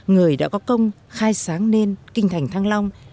người đã có công khai sáng nên kinh thành thăng long